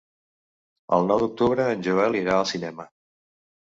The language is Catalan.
El nou d'octubre en Joel irà al cinema.